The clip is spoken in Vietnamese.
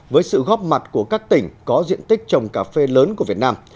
với sự góp mặt của các tỉnh có diện tích trồng cà phê lớn của việt nam